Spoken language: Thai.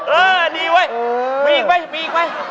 เออดีเว้ยมีอีกไหมมีอีกไหม